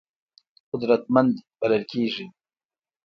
قدرتمند بلل کېږي.